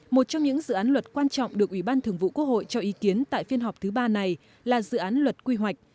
một trong những dự án luật quan trọng được ủy ban thường vụ quốc hội cho ý kiến tại phiên họp thứ ba này là dự án luật quy hoạch